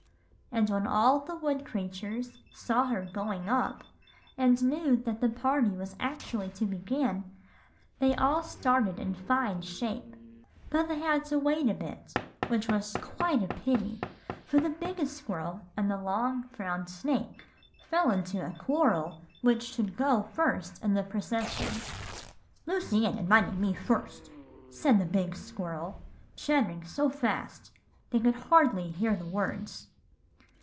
And when all the wood creatures saw her going up, and knew that the party was actually to begin, they all started in fine shape; but they had to wait a bit, which was quite a pity, for the biggest squirrel and the long brown snake fell into a quarrel which should go first in the procession. "'Lucy Ann invited me first,' said the big squirrel, chattering so fast they could hardly hear the words.